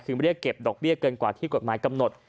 คือเรียกเก็บดอกเบี้ยเกินกว่าที่กฎหมายกำหนด